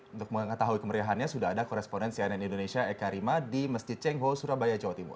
untuk mengetahui kemeriahannya sudah ada koresponen cnn indonesia eka rima di masjid cengho surabaya jawa timur